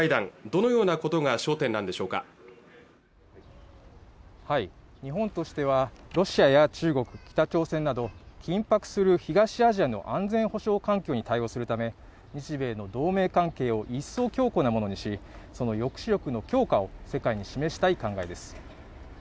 どのようなことが焦点なんでしょうか日本としてはロシアや中国北朝鮮など緊迫する東アジアの安全保障環境に対応するため日米の同盟関係を一層強固なものにしその抑止力の強化を世界に示したい考えです